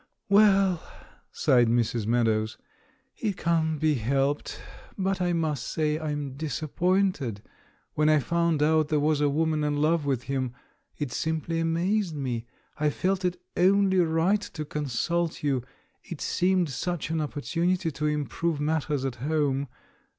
"Well," sighed Mrs. Meadows, "it can't be helped. But I must say I'm disappointed ! When I found out there was a woman in love with him, it simply amazed me ! I felt it only right to con sult you — it seemed such an opportunity to im prove matters at heme.